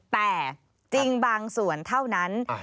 แต่จริงบางส่วนเท่านั้น